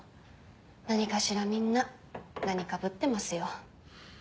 何かしらみんな何かぶってますよ。